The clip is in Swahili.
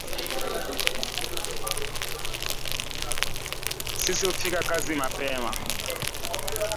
Sisi hufika kazi mapema